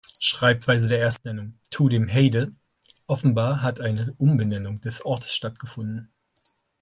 Schreibweise der Erstnennung: "to dem Heyde", offenbar hat eine Umbenennung des Ortes stattgefunden.